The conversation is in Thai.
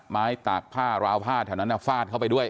ตากผ้าราวผ้าแถวนั้นฟาดเข้าไปด้วย